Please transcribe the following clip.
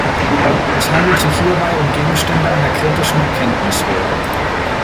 Es handelt sich hierbei um Gegenstände einer kritischen Erkenntnislehre.